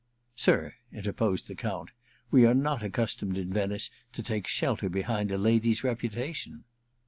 *Sir,* interposed the Count, *we are not accustomed in Venice to take shelter behind a lady's reputation.'